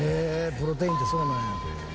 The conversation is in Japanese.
プロテインってそうなんや。